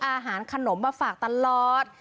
อาหารขนมมาฝากตลอด